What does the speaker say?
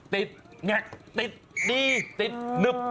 ติดแงะติดดีติดนึบ